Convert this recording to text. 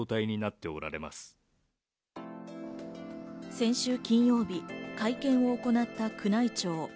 先週金曜日、会見を行った宮内庁。